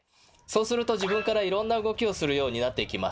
そうすると自分からいろんな動きをするようになっていきます。